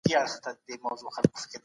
غوړ خواړه د زړه لپاره ښه نه دي.